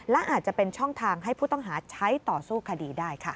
และอาจจะเป็นช่องทางให้ผู้ต้องหาใช้ต่อสู้คดีได้ค่ะ